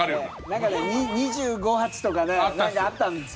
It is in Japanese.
なんかね、２５発とかねあったんですよ。